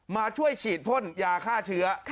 มาช่วยฉีดพ่นยาฆ่าเชื้อ